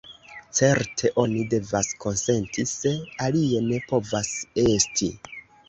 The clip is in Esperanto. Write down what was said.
Certe oni devas konsenti, se alie ne povas esti.